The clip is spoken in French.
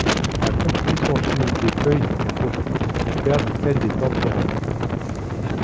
La composition chimique des feuilles d'hydrophytes diffère de celle des plantes terrestres.